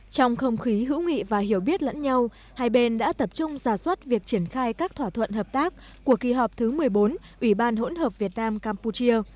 trong không khí hữu nghị và hiểu biết lẫn nhau hai bên đã tập trung giả soát việc triển khai các thỏa thuận hợp tác của kỳ họp thứ một mươi bốn ủy ban hỗn hợp việt nam campuchia